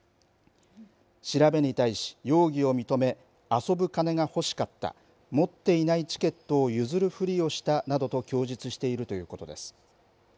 調べに対し、容疑を認め遊ぶ金が欲しかった持っていないチケットを譲るふりをしたなどと供述しているということです。